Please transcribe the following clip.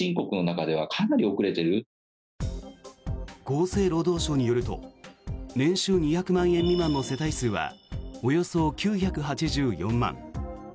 厚生労働省によると年収２００万円未満の世帯数はおよそ９８４万。